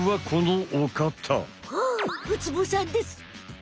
おおウツボさんです！